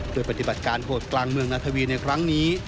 โดยปฏิบัติการโหดกลางเมืองนาทวีในครั้งนี้